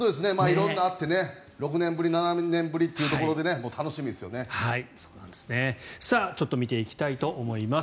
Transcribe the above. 色んなことがあって６年ぶり７年ぶりというところで見ていきたいと思います。